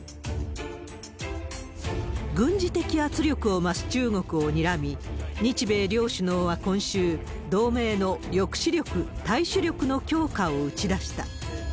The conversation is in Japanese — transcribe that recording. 軍事的圧力を増す中国をにらみ、日米両首脳は今週、同盟の抑止力、対処力の強化を打ち出した。